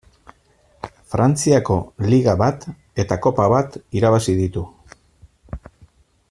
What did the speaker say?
Frantziako Liga bat eta Kopa bat irabazi ditu.